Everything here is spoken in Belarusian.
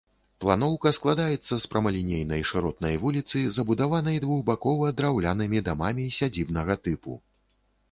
Планоўка складаецца з прамалінейнай шыротнай вуліцы, забудаванай двухбакова драўлянымі дамамі сядзібнага тыпу.